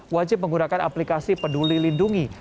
wajib menggunakan aplikasi peduli lindungi